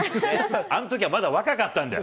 あんときはまだ若かったんだよ。